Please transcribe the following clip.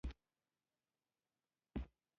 بنسټپالو ډلو ته د فعالیت مجال ورکړل شو.